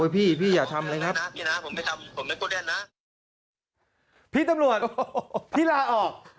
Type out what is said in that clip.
พี่ตำรวจพี่ลาออก